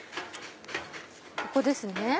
ここですね。